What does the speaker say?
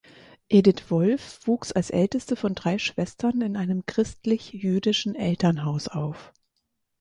Edith Wolff wuchs als älteste von drei Schwestern in einem christlich-jüdischen Elternhaus auf.